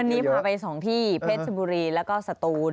วันนี้พาไปส่งที่เพชรบุรีแล้วก็สตูน